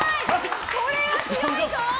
これは強いぞ！